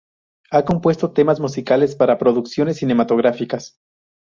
Ha compuesto temas musicales para producciones cinematográficas.